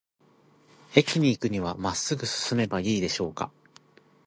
駅に行くには、まっすぐ進めばいいでしょうか。